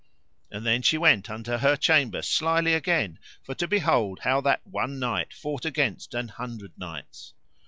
And then she went unto her chamber slily again for to behold how that one knight fought against an hundred knights.